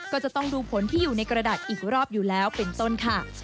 ก็จะต้องดูผลที่อยู่ในกระดาษอีกรอบอยู่แล้วเป็นต้นค่ะ